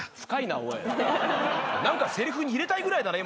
なおい何かセリフに入れたいぐらいだね